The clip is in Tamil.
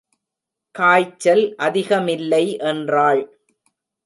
காய்ச்சல் அதிகமில்லை என்றாள்.